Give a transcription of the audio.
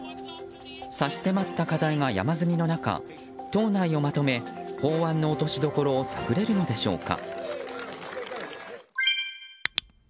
差し迫った課題が山積みの中党内をまとめ法案の落としどころを探れるのでしょうか。